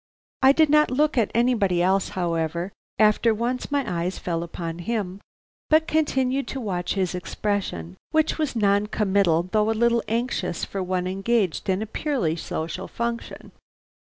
I did not look at anybody else, however, after once my eyes fell upon him, but continued to watch his expression, which was non commital, though a little anxious for one engaged in a purely social function.